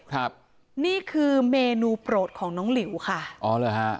ครับนี่คือเมนูโปรดของน้องหลิวค่ะอ๋อเหรอฮะ